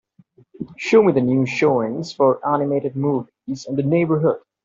Show me the new showings for animated movies in the neighborhood